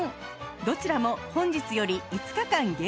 どちらも本日より５日間限定価格！